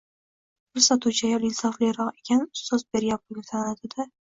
Bir sotuvchi ayol insofliroq ekan, ustoz bergan pulni sanadi-da